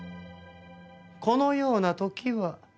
このような時は。